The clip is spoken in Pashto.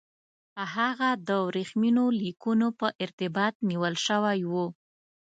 هغه د ورېښمینو لیکونو په ارتباط نیول شوی وو.